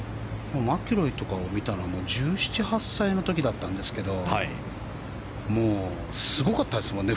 マキロイとかを見たのは１７１８歳の時だったんですがすごかったですもんね